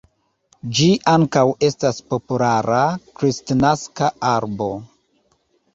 Ĝi ankaŭ estas populara kristnaska arbo.